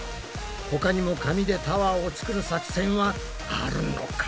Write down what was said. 他にも紙でタワーを作る作戦はあるのか？